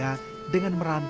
akuidet di rumah barued